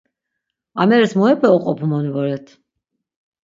Ameris muepe oqopumoni voret?